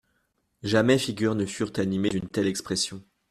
Jamais figures ne furent animées d'une telle expression.